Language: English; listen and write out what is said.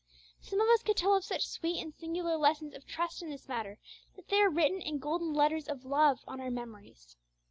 Some of us could tell of such sweet and singular lessons of trust in this matter, that they are written in golden letters of love on our memories.